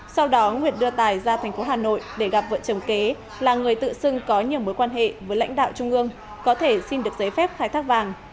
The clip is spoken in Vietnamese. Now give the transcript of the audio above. sau đó nguyệt đưa tài ra thành phố hà nội để gặp vợ chồng kế là người tự xưng có nhiều mối quan hệ với lãnh đạo trung ương có thể xin được giấy phép khai thác vàng